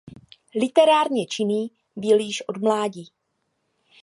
Literárně činný byl již od mládí.